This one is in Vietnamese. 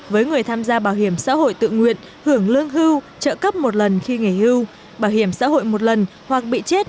với người tham gia bảo hiểm xã hội tự nguyện hưởng lương hưu trợ cấp một lần khi nghỉ hưu bảo hiểm xã hội một lần hoặc bị chết